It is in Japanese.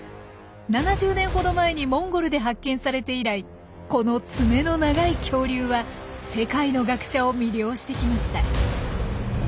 ７０年ほど前にモンゴルで発見されて以来このツメの長い恐竜は世界の学者を魅了してきました。